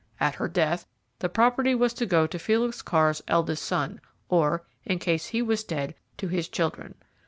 At her death the property was to go to Felix Carr's eldest son, or, in case he was dead, to his children.